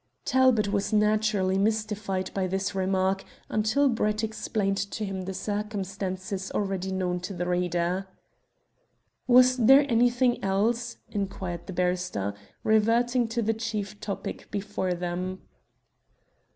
Talbot was naturally mystified by this remark until Brett explained to him the circumstances already known to the reader. "Was there anything else?" inquired the barrister, reverting to the chief topic before them.